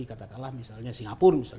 katakanlah misalnya singapura